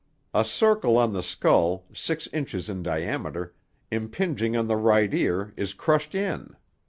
A circle on the skull, six inches in diameter, impinging on the right ear, is crushed in.